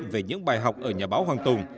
về những bài học ở nhà báo hoàng tùng